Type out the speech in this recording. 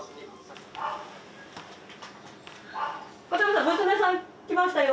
片山さん娘さん来ましたよ。